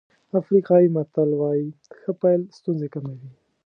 افریقایي متل وایي ښه پيل ستونزې کموي.